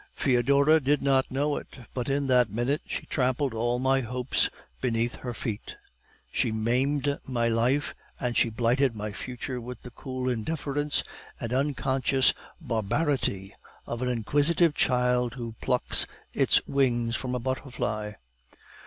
"Foedora did not know it, but in that minute she trampled all my hopes beneath her feet; she maimed my life and she blighted my future with the cool indifference and unconscious barbarity of an inquisitive child who plucks its wings from a butterfly.